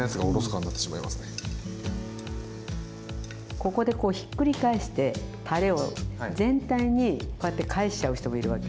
ここでこうひっくり返してたれを全体にこうやって返しちゃう人もいるわけ。